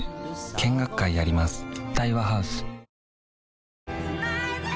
見学会やります